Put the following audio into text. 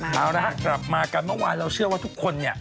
เอาละฮะกลับมากันเมื่อวานเราเชื่อว่าทุกคนเนี่ย